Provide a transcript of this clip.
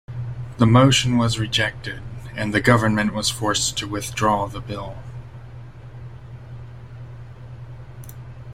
The motion was rejected and the government was forced to withdraw the Bill.